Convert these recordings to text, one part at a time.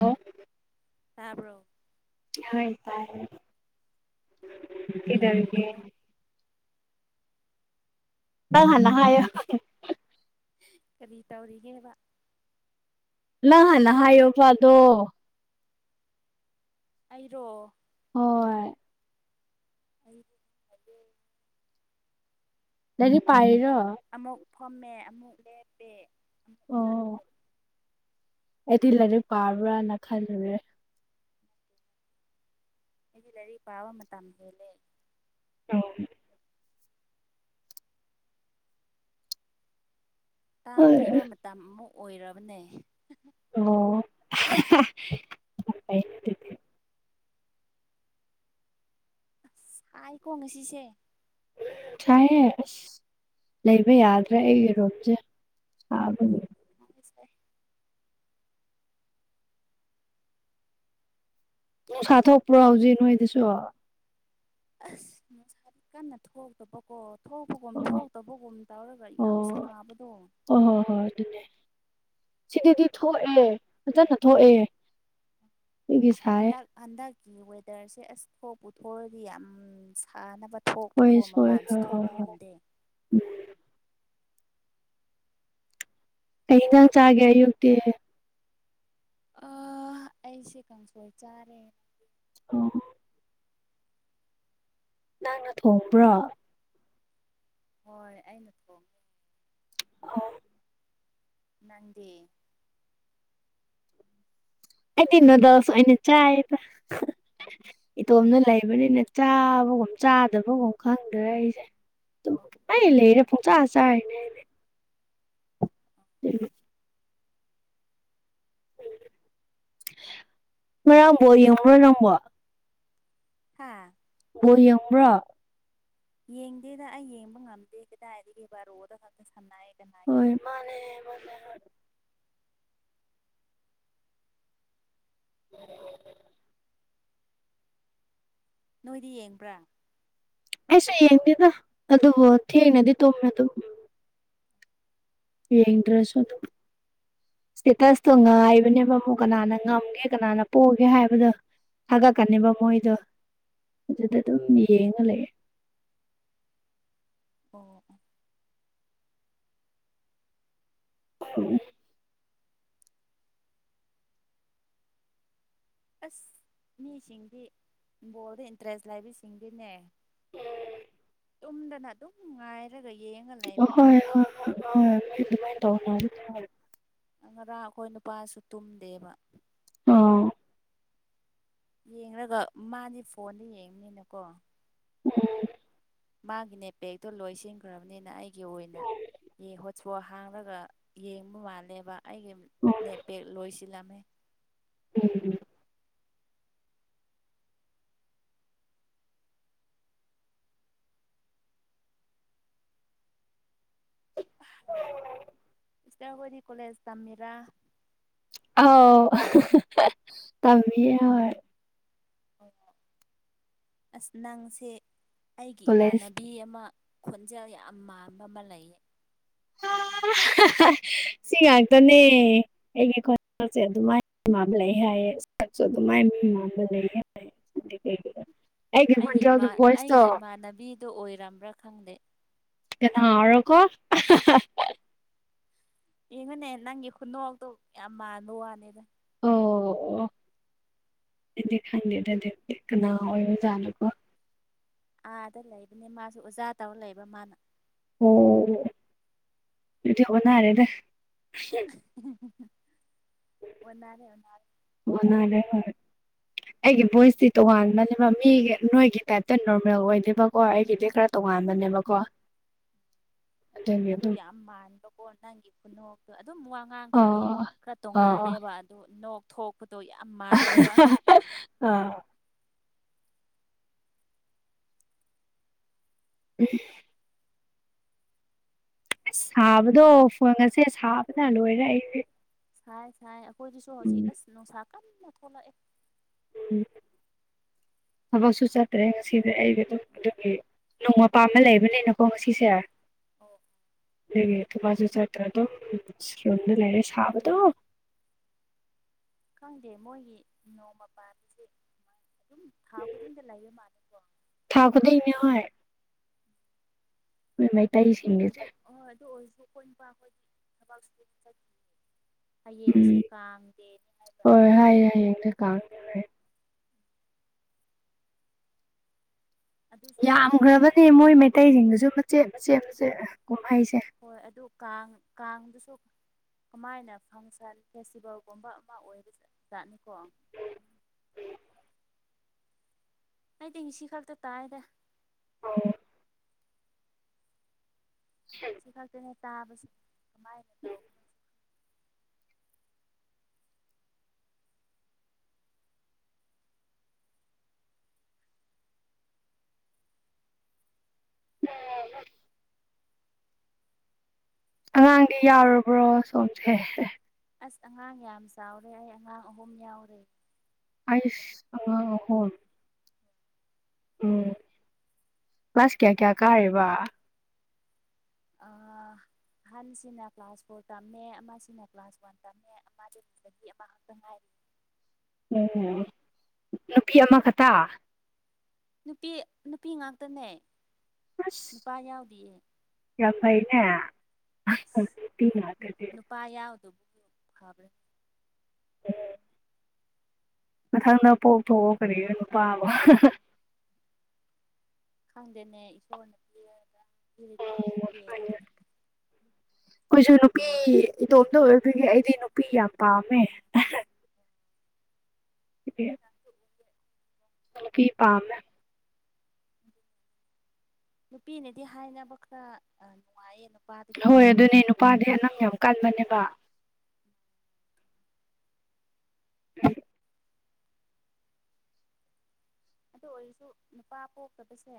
ꯂꯣ ꯇꯥꯕ꯭ꯔ‌ꯣ ꯍ‌ꯣꯏ ꯇꯥꯏꯌ‌ꯦ ꯀꯩꯗꯧꯔꯤꯒ‌ꯦ ꯀꯩꯗꯧꯔꯤꯒꯦ ꯅꯪ ꯍꯥꯟꯅ ꯍꯥꯏꯌꯣ ꯀꯔꯤ ꯇꯧꯔꯤꯒꯦꯕ ꯅꯪ ꯍꯥꯟꯅ ꯍꯥꯏꯌꯣ ꯄꯗꯣ ꯑꯩꯔꯣ ꯍꯣꯏ ꯑꯩ [unintelligible] ꯂꯥꯏꯔꯤꯛ ꯄꯥꯔꯤꯔꯣ ꯑꯃꯨꯛ ꯑꯃꯨꯛ ꯐꯝꯃꯦ ꯑꯃꯨꯛ ꯂꯦꯞꯄꯦ ꯑꯃꯨꯛ ꯑꯣ ꯆꯠꯂꯦ ꯑꯩꯗꯤ ꯂꯥꯏꯔꯤꯛ ꯄꯥꯕ꯭ꯔꯥꯅ ꯈꯜꯂꯨꯔꯦ ꯑꯩꯗꯤ ꯂꯥꯏꯔꯤꯛ ꯄꯥꯕ ꯃꯇꯝ ꯍꯦꯜꯂꯦ ꯑꯧ ꯇꯥꯛ ꯄꯤꯕ ꯃꯇꯝ ꯑꯃꯨꯛ ꯑꯣꯏꯔꯕꯅꯦ ꯑꯣ [unintelligible] ꯑꯁ ꯁꯥꯏꯀꯣ ꯉꯁꯤꯁꯦ ꯁꯥꯏꯌ‌ꯦ ꯑꯁ ꯂꯩꯕ ꯌꯥꯗ꯭ꯔꯦ ꯑꯩꯒꯤ ꯔꯨꯝꯁꯦ ꯁꯥꯕꯒꯤ [unintelligible] ꯅꯨꯡꯁꯥ ꯊꯣꯛꯄ꯭ꯔꯣ ꯍꯧꯖꯤꯛ ꯅꯣꯏꯗꯁꯨ ꯑꯁ ꯅꯨꯡꯁꯥꯗꯤ ꯀꯥꯟꯅ ꯊꯣꯛꯇꯕꯀꯣ ꯊꯣꯛꯄꯒꯨꯝ ꯊꯣꯛꯇꯕꯒꯨꯝ ꯇꯧꯔꯒ ꯌꯥꯝ ꯁꯥꯕꯗꯣ ꯑꯣ ꯍꯣ ꯍꯣꯏ ꯑꯗꯨꯅꯦ ꯁꯤꯗꯗꯤ ꯊꯣꯛꯑꯦ ꯐꯥꯖꯅ ꯊꯣꯛꯑꯦ ꯑꯗꯨꯒꯤ ꯁꯥꯏꯌꯦ ꯍꯟꯗꯛ ꯍꯟꯗꯛꯀꯤ ꯋꯦꯗꯔꯁꯦ ꯑꯁ ꯊꯣꯛꯄꯨ ꯊꯣꯛꯑꯗꯤ ꯌꯥꯝ ꯁꯥꯅꯕ ꯍꯣꯏ ꯊꯣꯛꯄꯀꯣ ꯍꯣꯏ ꯃꯄꯥꯟꯁꯤ ꯍꯣꯏ ꯍꯣꯏ ꯊꯣꯛꯄ ꯍꯣꯏ ꯉꯝꯗꯦ ꯀꯩ ꯢꯟꯒꯥꯡ ꯆꯥꯒꯦ ꯑꯌꯨꯛꯇꯤ ꯑꯥ ꯑꯩꯁꯦ ꯀꯪꯁꯣꯏ ꯆꯥꯔꯦ [unintelligible] ꯅꯪꯅ ꯊꯣꯡꯕꯔꯣ ꯍꯣꯏ ꯑꯩꯅ ꯊꯣꯡꯉꯦ ꯑꯥ ꯅꯪꯗꯤ ꯑꯩꯗꯤ ꯅꯨꯗꯜꯁ ꯑꯣꯢꯅ ꯆꯥꯏꯑꯦꯗ ꯏꯇꯣꯝꯗ ꯂꯩꯕꯅꯤꯅ ꯆꯥꯕꯒꯨꯝ ꯆꯥꯗꯕꯒꯨꯝ ꯈꯪꯗ꯭ꯔꯦ ꯑꯩꯁꯦ ꯥꯇꯨꯝ ꯑꯣ ꯄꯨꯂꯩ ꯂꯩꯔ ꯄꯨꯡꯆꯥ ꯆꯔꯤꯅꯤ ꯑꯩꯗꯤ ꯑꯣ [unintelligible] ꯉꯔꯥꯡ ꯕꯣꯜ ꯌꯦꯡꯕꯔꯣ ꯅꯪꯕꯣ ꯍꯥꯥ ꯕꯣꯜ ꯌꯦꯡꯕ꯭ꯔꯣ ꯌꯦꯡꯗꯦꯗ ꯑꯩ ꯌꯦꯡꯕ ꯉꯝꯗꯦ ꯀꯗꯥꯏꯗꯒꯤ ꯕꯥꯔꯣꯗ ꯉꯛꯇ ꯁꯥꯟꯅꯩꯏ ꯗꯅ ꯑꯝ ꯃꯥꯟꯅꯦ ꯃꯥꯟꯅꯦ [unintelligible] ꯅꯣꯏꯗꯤ ꯌꯦꯡꯕ꯭ꯔꯥ ꯑꯩꯁꯨ ꯌꯦꯡꯗꯦꯗ ꯑꯗꯨꯕꯨ ꯊꯦꯡꯅꯗꯤ ꯇꯨꯝꯃꯦ ꯑꯗꯨꯝ ꯌꯦꯡꯗꯔꯁꯨ ꯑꯗꯨꯝ ꯏꯤꯁꯇꯦꯇꯁꯇꯣ ꯉꯥꯏꯕꯅꯦꯕ ꯃꯨꯛ ꯀꯅꯥꯅ ꯉꯝꯒꯦ ꯀꯅꯥꯅ ꯄꯣꯒꯦ ꯍꯥꯏꯕꯗꯣ ꯊꯥꯒꯠꯀꯥꯅꯦꯕ ꯃꯣꯏꯗꯣ ꯑꯗꯨꯗ ꯑꯗꯨꯝ ꯌꯦꯡꯉ ꯂꯩꯔꯦ ꯑꯣ ꯎꯝ ꯑꯥꯁ ꯃꯤꯁꯤꯡꯗꯤ ꯕꯣꯜꯗ ꯏꯟꯇꯔꯦꯁ ꯂꯩꯕꯤꯁꯤꯡꯗꯤꯅꯦ ꯎꯝ ꯇꯨꯝꯗꯅ ꯑꯗꯨꯝ ꯉꯥꯏꯔꯒ ꯌꯦꯡꯉ ꯂꯩꯕ ꯃꯥꯜꯂꯦ ꯇ ꯉꯔꯥꯡ ꯑꯩꯈꯣꯏ ꯅꯨꯄꯥꯁꯨ ꯇꯨꯝꯗꯦꯕ ꯑꯣ ꯌꯦꯡꯒ ꯃꯥꯗꯤ ꯐꯣꯟꯗ ꯌꯦꯡꯕꯅꯤꯅꯀꯣ ꯎꯝ ꯃꯥꯒꯤꯅꯦꯄꯦꯛꯇꯣ ꯂꯣꯏꯁꯤꯟꯈ꯭ꯔꯕꯅꯤꯅ ꯑꯩꯒꯤ ꯑꯣꯏꯅꯣ ꯄꯣ ꯍꯥꯡꯂꯒ ꯌꯦꯡꯕ ꯃꯥꯜꯂꯦꯕ ꯑꯩꯒꯤ ꯎꯝ ꯅꯦꯄꯦꯛ ꯂꯣꯏꯁꯤꯜꯂꯝꯃꯦ ꯎꯝ ꯁꯤꯁꯇꯔ ꯈꯣꯏꯗꯤ ꯀꯣꯂꯦꯖ ꯇꯝꯃꯤꯔꯥ ꯑꯥꯎ ꯑꯍꯥꯍꯥ ꯇꯝꯃꯤ ꯑꯍꯣꯏ ꯑꯣ ꯑꯁ ꯅꯪꯁꯦ ꯑꯩꯒꯤ ꯀꯣꯂꯦꯖ ꯏꯃꯥꯟꯅꯕꯤ ꯑꯃ ꯈꯣꯟꯖꯦꯜ ꯌꯥꯝ ꯃꯟꯕ ꯑꯃ ꯂꯩꯥꯑꯦ ꯑꯥ ꯁꯤ ꯉꯥꯛꯇꯅꯦ ꯑꯩꯒꯤ ꯈꯣꯟꯖꯦꯜꯁꯦ ꯑꯗꯨꯃꯥꯏꯅ ꯃꯥꯟꯕ ꯂꯩ ꯍꯥꯏꯌꯦ ꯁꯛꯁꯨ ꯑꯗꯨꯃꯥꯏꯅ ꯗꯨ ꯃꯥꯟꯕ ꯂꯩ ꯍꯥꯏꯌꯦ [inaudible] ꯑꯩꯒꯤ ꯢꯃꯥꯟ ꯑꯩꯒꯤ ꯏꯃꯥꯟꯅꯕꯤꯗꯣ ꯑꯣꯏꯔꯝꯕ꯭ꯔꯥ ꯈꯪꯗꯦ ꯑꯔꯣ ꯀꯣ ꯌꯦꯡꯉꯨꯅꯦ ꯅꯪꯒꯤ ꯈꯨꯅꯣꯛ ꯑꯛꯇꯣ ꯌꯥꯝ ꯃꯥꯟꯕ ꯋꯥꯅꯦꯗ ꯑꯣ ꯑꯣ ꯑꯩꯗꯤ ꯈꯪꯗꯦꯗꯗꯤ ꯀꯅꯥ ꯑꯣꯏ ꯑꯣꯖꯥꯠꯅꯣꯀꯣ ꯑꯥꯗ ꯂꯩꯕꯅꯤ ꯃꯥꯁꯨ ꯑꯣꯖꯥ ꯇꯧꯔ ꯂꯩꯕ ꯃꯥꯅ ꯑꯣ ꯊꯧꯕꯅꯔꯦꯗ ꯑꯣꯟꯅꯔꯦ ꯑꯣꯟꯅꯔꯦ ꯑꯣ ꯅꯦ ꯑꯩꯒꯤ ꯚꯣꯏꯁꯇꯤ ꯇꯣꯉꯥꯟꯕꯅꯦꯕ ꯃꯤꯒꯤ ꯅꯣꯏꯒꯤ ꯇꯥꯏꯞꯇ ꯅꯣꯔꯃꯦꯜ ꯑꯣꯏꯗꯦꯕꯀꯣ ꯑꯩꯒꯤꯗꯤ ꯈꯔ ꯇꯣꯉꯥꯟꯕꯅꯦꯕꯀꯣ ꯑꯗꯨꯒꯤ ꯑꯗꯣ ꯑꯗꯨꯝ ꯌꯥꯝ ꯃꯥꯟꯕꯀꯣ ꯅꯪꯒꯤ ꯈꯨꯅꯣꯛꯇꯣ ꯑꯗꯨꯝ ꯋꯥꯡ ꯑꯉꯥꯡꯈ꯭ꯔꯗꯤ ꯑꯣ ꯈꯔ ꯑꯣ ꯇꯣꯡꯉꯥꯜꯂꯦꯕ ꯑꯗꯨ ꯅꯣꯛ ꯊꯣꯛꯄꯗꯣ ꯌꯥꯝ ꯃꯥꯜꯂꯦꯕ ꯑꯥ ꯎꯝ ꯑꯁ ꯁꯥꯕꯗꯣ ꯐꯪꯉꯁꯦ ꯁꯥꯕꯅ ꯂꯣꯏꯔꯦ ꯑꯩ ꯁꯥꯏ ꯁꯥꯏ ꯑꯩꯈꯣꯏꯗꯨꯁꯨ ꯍꯧꯖꯤꯛ ꯑꯁ ꯅꯨꯡꯁꯥ ꯀꯝꯅ ꯊꯣꯛꯂꯛꯑꯦ ꯎ ꯊꯕꯛꯁꯨ ꯆꯠꯇ꯭ꯔꯦ ꯉꯁꯤꯗꯤ ꯑꯩꯒꯤꯝ ꯑꯗꯨꯒꯤ ꯅꯣꯡꯃꯄꯥꯝꯃ ꯂꯩꯕꯅꯤꯅꯀꯣ ꯉꯁꯤꯁꯦ ꯑꯣ ꯑꯒꯤ ꯊꯕꯥꯖ ꯆꯠꯇ꯭ꯔꯗꯣ ꯔꯨꯝꯗ ꯂꯩꯔꯦ ꯁꯥꯕꯗꯣ ꯑꯗꯨꯅꯤ ꯈꯪꯗꯦ ꯃꯣꯏꯒꯤ ꯅꯣꯡꯃ ꯄꯥꯟꯕꯁꯦ ꯑꯗꯨꯝ ꯊꯥ ꯈꯨꯗꯤꯡꯗ ꯂꯩꯕ ꯃꯥꯜꯂꯀꯣ ꯊꯥꯥꯎ ꯐꯥꯗꯤ ꯏꯅ ꯍ ꯃꯩ ꯇꯇꯩ ꯁꯤꯁꯤꯡꯒꯦꯁꯦ ꯑꯍꯣꯏ ꯑꯗꯨ ꯑꯣꯏꯔꯁꯨ ꯀꯈꯣꯏꯅꯨꯄꯥ ꯑꯩꯈꯣꯏꯗꯤ ꯊꯕꯛ ꯆꯠ ꯎꯝ ꯗꯦꯅꯤ ꯍꯥꯏꯕ꯭ꯔꯥ ꯍꯣꯏ ꯍꯥꯏꯌꯦ ꯍꯥꯏꯌꯦꯛꯇ ꯑꯗꯨꯁꯨ ꯌꯥꯝꯈ꯭ꯔꯕꯅꯦ ꯃꯣꯏ ꯃꯩꯇꯩꯁꯤꯡꯗꯨꯁꯨ ꯃꯆꯦꯠ ꯃꯆꯦꯠ ꯃꯆꯦꯠ ꯀꯨꯝꯍꯩꯁꯦ ꯍꯣꯏ ꯑꯗꯨ ꯀꯥꯡ ꯀꯥꯡꯗꯨꯁꯨ ꯀꯃꯥꯏꯅ ꯐꯪꯁꯟ ꯐꯦꯁꯇꯤꯚꯦꯜꯒꯨꯝꯕ ꯑꯃ ꯑꯣꯏꯕꯖꯥꯠꯅꯤꯀꯣ ꯑꯩꯗꯤ ꯉꯁꯤ ꯈꯛꯇ ꯇꯥꯏꯔꯦ ꯑꯣꯧ ꯍ ꯁꯤ ꯈꯛꯇꯅꯦ ꯇꯥꯕꯕꯁꯤ ꯀꯃꯥꯏꯅ ꯇꯧ ꯎꯝ ꯑꯉꯥꯡꯗꯤ ꯌꯥꯎꯔꯕ꯭ꯔꯣ ꯁꯣꯝꯁꯦ ꯑꯁ ꯑꯉꯥꯡ ꯌꯥꯝ ꯆꯥꯎꯔꯦ ꯑꯩ ꯑꯉꯥꯡ ꯑꯍꯨꯝ ꯌꯥꯎꯔꯦ ꯑꯆꯁ ꯑꯉꯥꯡ ꯑꯍꯨꯝ ꯎꯝ ꯀ꯭ꯂꯥꯁ ꯀꯌꯥ ꯀꯌꯥ ꯀꯥꯔꯦꯕ ꯑꯑꯑ ꯑꯍꯟꯁꯤꯅ ꯀ꯭ꯂꯥꯁ ꯐꯣꯔ ꯇꯝꯃꯦ ꯑꯃꯁꯤꯅ ꯀ꯭ꯂꯥꯁ ꯋꯥꯟ ꯇꯝꯃꯦ ꯑꯃꯗꯒꯤ ꯆꯍꯤ ꯑꯃꯈꯛꯇ ꯉꯥꯏꯔꯤ ꯎꯝ ꯅꯨꯄꯤ ꯑꯃꯈꯛꯇ ꯅꯨꯄꯤ ꯅꯨꯄꯤ ꯉꯥꯛꯇꯅꯦ ꯑꯁ ꯅꯨꯄꯥ ꯌꯥꯎꯗꯤꯌꯦ ꯌꯥꯝ ꯐꯩꯅꯦ ꯍ ꯅꯨꯄꯤ ꯉꯥꯛꯇꯗꯤ ꯄꯥꯏ ꯌꯥꯎꯗꯣꯕꯨ ꯈꯕꯔꯦ ꯃꯊꯪꯗ ꯄꯣꯛ ꯊꯣꯛꯣꯛꯑꯣ ꯀꯔꯤ ꯀ ꯅꯨ ꯄꯥꯕ ꯈꯪꯗꯦꯅꯦ ꯏꯁꯣꯔꯅ ꯄꯤꯔꯒ ꯐꯤꯔꯗꯤ ꯄꯣꯛꯀꯦ ꯑꯩꯈꯣꯏꯁꯨ ꯅꯨꯄꯤ ꯏꯇꯣꯝꯇ ꯑꯣꯏꯕꯤꯒꯦ ꯑꯩꯗꯤ ꯅꯨꯄꯤ ꯌꯥꯝ ꯄꯥꯝꯃꯦ ꯁꯤ ꯄꯥꯝ ꯎ ꯅꯨꯄꯤꯅꯗꯤ ꯍꯥꯏꯅꯕ ꯈꯔ ꯅꯨꯡꯉꯥꯏꯌꯦ ꯅꯨꯄꯥꯗꯒꯤꯀꯣ ꯍꯣꯏ ꯑꯗꯨꯅꯦ ꯅꯨꯄꯥꯗꯤ ꯑꯅꯝ ꯌꯥꯝ ꯀꯟꯕꯅꯦꯕ [unintelligible] ꯑꯗꯨ ꯑꯣꯏꯔꯁꯨ ꯅꯨꯄꯥ ꯄꯣꯛꯇꯕꯁꯦ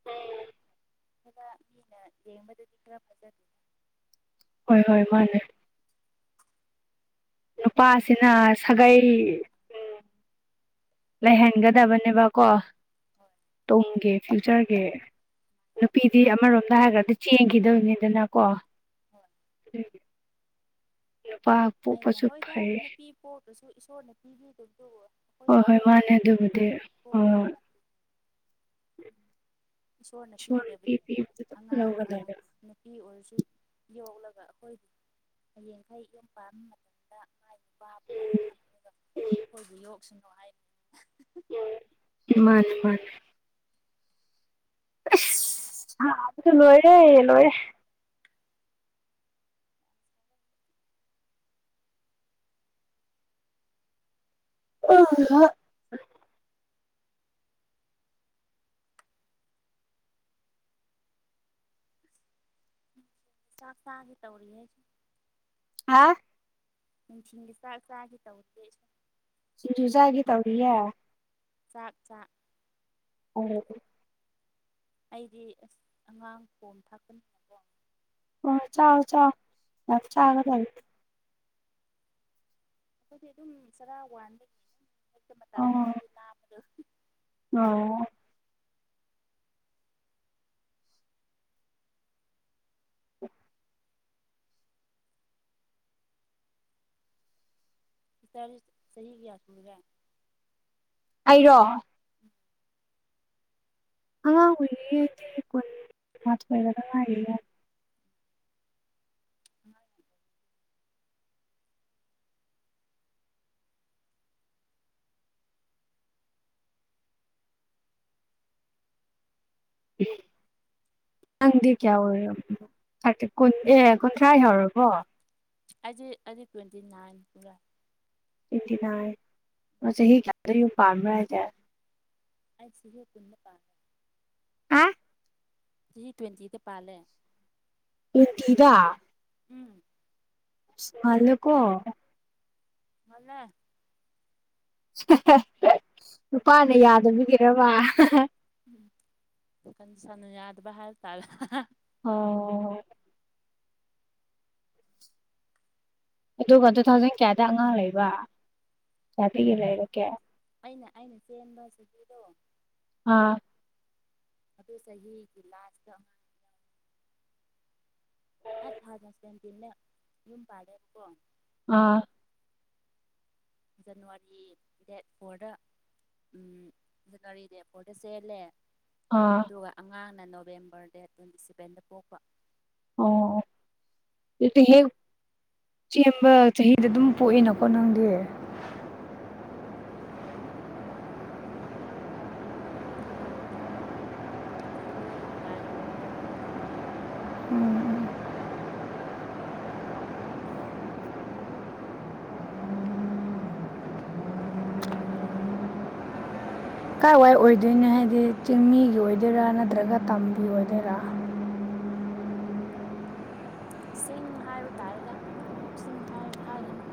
[unintelligible] ꯈꯔ ꯃꯤꯅ ꯌꯦꯡꯕꯗꯗꯤ ꯈꯔ ꯐꯖꯗꯦ ꯍꯣꯏ ꯍꯣꯏ ꯃꯟꯅꯦ [inaudible] ꯅꯨꯄꯥꯁꯤꯅ ꯁꯥꯒꯩ ꯎꯝ ꯂꯩꯍꯟꯒꯗꯕꯅꯦꯕ ꯀꯣ ꯇꯨꯡꯒꯦ ꯐ꯭ꯌꯨꯆꯔꯒꯤ ꯅꯨꯄꯤꯗꯤ ꯑꯃꯔꯣꯝꯗ ꯍꯥꯏꯒ꯭ꯔꯗꯤ ꯆꯦꯟꯈꯤꯗꯧꯅꯤꯗꯅꯀꯣ [unintelligible] ꯅꯨꯄꯥꯥ ꯑꯩꯅ ꯍꯣꯏꯗ ꯅꯨꯄꯤ ꯄꯣꯛꯇ꯭ꯔꯁꯨ ꯏꯁꯣꯔꯅ ꯄꯤꯕꯤꯕꯗꯨ ꯍꯣꯏ ꯑꯩꯈꯣꯏꯅ ꯍꯣꯏ ꯄꯣꯛ ꯃꯥꯅꯦ ꯑꯗꯨꯕꯨꯗꯤ ꯑ ꯏꯁꯣꯔꯅ ꯄꯤ ꯄꯤꯗꯕꯅꯤꯅ ꯄꯤꯕꯗꯨ ꯑꯗꯨꯝ ꯑꯉꯥꯡ ꯑ ꯂꯧꯒꯗꯕ ꯅꯨꯄꯤ ꯑꯣꯏꯔꯁꯨ ꯌꯣꯛꯂꯒ ꯑꯩꯈꯣꯏꯒꯤ ꯍꯌꯦꯡꯈꯩ ꯌꯨꯝ ꯄꯥꯟꯕ ꯃꯇꯝꯗ ꯃꯥꯏ ꯅꯨꯄꯥ ꯄꯨꯍꯟꯂꯛꯂꯒ ꯎꯝ ꯑꯩꯈꯣꯏꯒꯤ ꯌꯣꯛꯁꯅꯨ ꯍꯥꯏꯔꯤ ꯑꯥꯍꯍꯪ ꯎꯝ ꯃꯅꯦ ꯃꯅꯦ ꯑꯁ ꯁꯥꯕꯗ ꯂꯣꯏꯔꯦ ꯂꯣꯏꯔꯦ ꯑꯥꯍꯥ ꯆꯥꯛ ꯆꯥꯒꯦ ꯇꯧꯔꯤꯍꯦ ꯍꯥ ꯅꯨꯡꯊꯤꯟꯒꯤ ꯆꯥꯛ ꯆꯥꯒꯤ ꯇꯧꯔꯤꯍꯦ ꯑꯩꯁꯨ ꯁꯤꯡꯖꯨ ꯆꯒꯦ ꯇꯧꯔꯤꯌꯥ ꯆꯥꯛ ꯆꯥꯛ ꯑꯣ ꯑꯩꯗꯤ ꯑꯁ ꯑꯉꯥꯡ ꯈꯣꯝ ꯊꯥꯛꯄꯅꯤ ꯑꯣ ꯆꯥꯎꯑꯣ ꯆꯥꯎꯑꯣ ꯌꯥꯝ ꯆꯥꯒꯗꯝꯅꯤ ꯑꯩꯈꯣꯏꯗꯤ ꯑꯗꯨꯝ ꯆꯔꯥ ꯋꯥꯟꯕꯒꯤ ꯍꯦꯛꯇ ꯃꯇꯝ ꯌꯧꯔꯗꯤ ꯂꯥꯕꯗꯨ ꯉꯧ ꯁꯤꯁꯇ꯭ꯔꯗꯤ ꯆꯍꯤ ꯀꯌꯥ ꯁꯨꯔꯒꯦ ꯑꯩꯔꯣ [unintelligible] ꯑꯉꯥꯡ ꯑꯣꯏꯔꯤꯌꯦ ꯑꯩꯗꯤ ꯀꯨꯟ ꯀꯨꯟꯃꯊꯣꯏꯈꯇꯪ ꯉꯥꯏꯔꯤꯌꯦ [unintelligible] ꯎꯝ ꯅꯪꯗꯤ ꯀꯌꯥ ꯑꯣꯏꯔꯕꯅꯣ ꯊꯔꯇ ꯑꯦ ꯀꯨꯟꯊ꯭ꯔꯥ ꯌꯥꯎꯔꯕꯣ ꯑꯩꯗꯤ ꯑꯩꯗꯤ ꯇ꯭ꯋꯦꯟꯇꯤ ꯅꯥꯏꯟ ꯄꯥꯏ ꯁꯤ ꯃꯁ ꯍꯗ ꯐꯥꯔ ꯍꯥꯏꯦ ꯑꯩꯁꯨ ꯍ ꯄꯨꯟꯅ ꯄꯥꯟ ꯑ ꯁꯤ ꯇ꯭ꯋꯦꯟꯇꯤꯗ ꯄꯥꯂꯦ ꯎꯇꯤꯗꯥ ꯎꯝ ꯢꯁ ꯉꯟꯂꯦꯀꯣ ꯉꯟꯂꯦ [unintelligible] ꯅꯨꯄꯥꯅ ꯌꯥꯗꯕꯒꯤꯔꯕ [unintelligible] ꯎꯝ ꯀꯪꯁꯟꯅ ꯌꯥꯗꯕ ꯍꯥꯏꯕꯇꯔꯦ ꯑꯣ ꯑꯗꯨꯒ ꯇꯨ ꯊꯥꯎꯖꯟ ꯀꯌꯥꯗ ꯑꯉꯥꯡ ꯂꯩꯕ ꯀꯌꯥꯗꯒꯤ ꯂꯩꯔꯛꯀꯦ ꯑꯩꯅ ꯑꯩꯅ ꯆꯦꯟꯕ ꯆꯍꯤꯗꯣ ꯑꯥ ꯑꯗꯨ ꯆꯍꯤꯒꯤ ꯂꯥꯁꯇ ꯑꯃ ꯑꯠ ꯊꯥꯎꯖꯟꯁꯗꯤꯅꯦ ꯌꯨꯝ ꯄꯥꯔꯦꯀꯣ ꯑꯥ ꯖꯅꯋꯥꯔꯤ ꯗꯦꯠ ꯐꯣꯔꯗ ꯎꯝ ꯑꯗꯨ ꯔꯤꯗꯄꯣꯔꯠꯇ ꯆꯦꯜꯂꯦ ꯑꯥ ꯑꯗꯨꯒ ꯑꯉꯥꯡꯅ ꯅꯣꯕꯦꯝꯕꯔ ꯗꯦꯠ ꯇ꯭ꯋꯦꯟꯇꯤ ꯁꯚꯦꯟꯗ ꯄꯣꯛꯄ ꯑꯣ ꯍ ꯆꯦꯟꯕ ꯆꯍꯤꯗ ꯑꯗꯨꯝ ꯄꯣꯛꯑꯦꯅꯀꯣ ꯅꯪꯗꯤ ꯎꯝ ꯑꯗꯨ ꯑꯣꯏꯕ ꯅꯥ ꯁ ꯅꯥꯏ ꯆꯨꯔꯦꯔ ꯆ ꯎꯝ ꯎꯝ ꯀꯥꯏ ꯋꯥꯏ ꯑꯣꯏꯗꯣꯏꯅꯣ ꯍꯥꯏꯗꯤ ꯆꯤꯡꯃꯤꯒꯤ ꯑꯣꯏꯗꯣꯏꯔꯥ ꯅꯠꯇ꯭ꯔꯒ ꯇꯝꯕꯤ ꯑꯣꯏꯗꯣꯏꯔꯥ ꯆꯤꯡ ꯍꯥꯏꯕ ꯇꯥꯔꯒ ꯆꯤꯡ ꯍꯥꯏ ꯍꯥꯏꯔꯅꯤ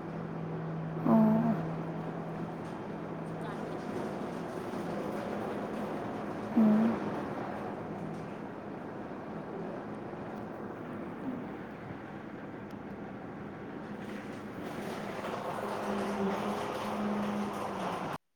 ꯍꯧꯖꯤꯛ ꯀꯥꯟꯅꯤ ꯍꯟꯗꯛꯤ ꯎꯝ